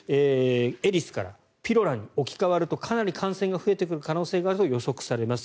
エリスからピロラに置き換わるとかなり感染が増えてくる可能性があると予測されます。